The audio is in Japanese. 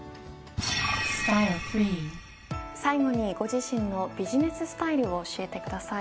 最後にご自身のビジネススタイルを教えてください。